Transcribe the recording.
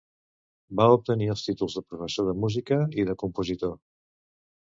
Va obtenir els títols de Professor de Música i de Compositor.